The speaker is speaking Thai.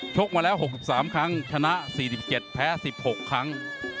กมาแล้ว๖๓ครั้งชนะ๔๗แพ้๑๖ครั้ง